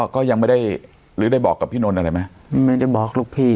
ก็ยังไม่ได้หรือได้บอกกับพี่นนท์อะไรไหมไม่ได้บอกลูกพี่